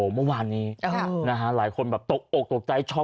เมื่อวานนี้หลายคนตกโอกไกรแต่รักชอบ